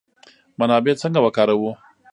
منابع څنګه وکاروو؟